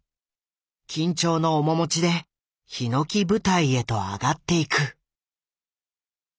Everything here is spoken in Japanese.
緊張の面持ちでひのき舞台へと上がっていく。